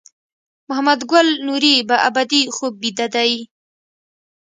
محمد ګل نوري په ابدي خوب بیده دی.